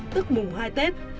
tức mùng hai tết